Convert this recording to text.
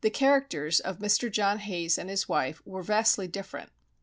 The characters of Mr. John Hayes and his wife were vastly different.